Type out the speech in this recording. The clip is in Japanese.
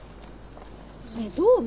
ねえどう思う？